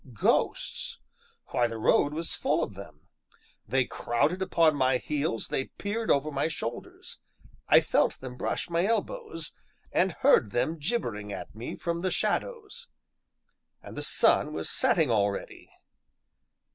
Ghosts! Why, the road was full of them; they crowded upon my heels, they peered over my shoulders; I felt them brush my elbows, and heard them gibbering at me from the shadows. And the sun was setting already!